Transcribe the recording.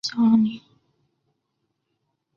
与相邻。